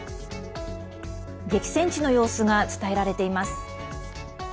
激戦地の様子が伝えられています。